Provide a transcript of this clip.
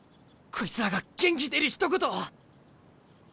こいつらが元気出るひと言を！